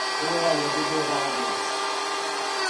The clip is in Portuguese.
Glória de Dourados